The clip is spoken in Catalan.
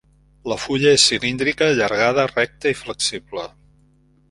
La fulla és cilíndrica, allargada, recta i flexible.